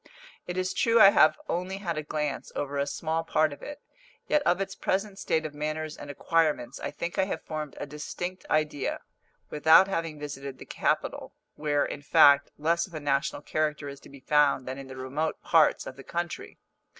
It is true I have only had a glance over a small part of it; yet of its present state of manners and acquirements I think I have formed a distinct idea, without having visited the capital where, in fact, less of a national character is to be found than in the remote parts of the country.